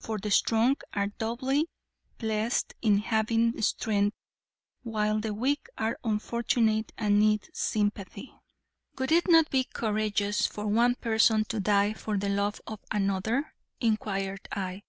For the strong are doubly blessed in having strength while the weak are unfortunate and need sympathy." "Would it not be courageous for one person to die for the love of another?" inquired I.